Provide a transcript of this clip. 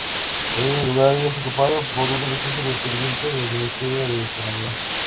Hoy el lugar es ocupado por un edificio dependiente del Ministerio de Economía.